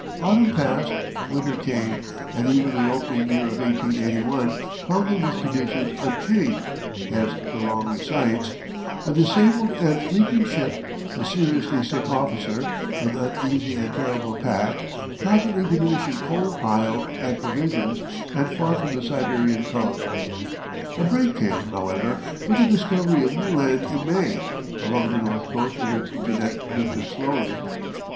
Autumn passed, winter came, and even the opening year of 1881 found them with conditions unchanged, as De Long recites: "A disabled and leaking ship, a seriously sick officer, an uneasy and terrible pack, constantly diminishing coal pile and provisions, and far from the Siberian coast." A break came, however, with the discovery of new land in May, along the north coast of which the Jeannette drifted slowly.